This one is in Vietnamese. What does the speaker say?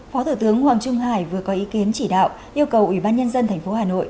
phó thủ tướng hoàng trung hải vừa có ý kiến chỉ đạo yêu cầu ủy ban nhân dân tp hà nội